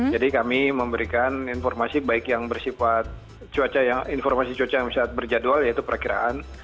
jadi kami memberikan informasi baik yang bersifat cuaca informasi cuaca yang misalnya berjadwal yaitu perkiraan